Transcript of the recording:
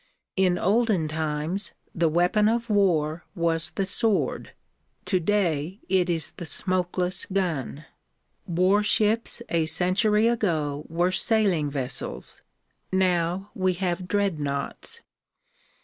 In olden times the weapon of war was the sword;" today it is the smokeless gun. Warships a century ago were sailing vessels ; now we have dreadnoughts.